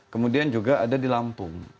kemudian juga ada di lampung